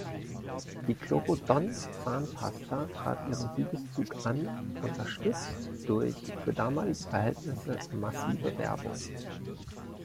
Die Chlorodont-Zahnpasta trat ihren Siegeszug an, unterstützt durch für damalige Verhältnisse massive Werbung.